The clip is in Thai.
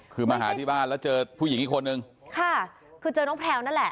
คือมาหาที่บ้านแล้วเจอผู้หญิงอีกคนนึงค่ะคือเจอน้องแพลวนั่นแหละ